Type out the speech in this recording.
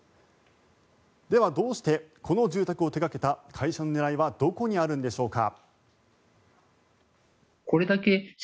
では、どうしてこの住宅を手掛けた会社の狙いはどこにあるんでしょうか。